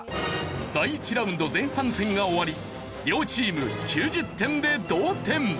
第１ラウンド前半戦が終わり両チーム９０点で同点。